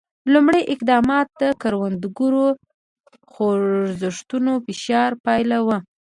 لومړي اقدامات د کروندګرو خوځښتونو فشار پایله وه.